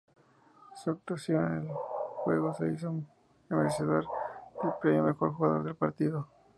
Su actuación en el juego le hizo merecedor del premio Mejor Jugador del Partido.